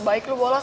so baik lo bolak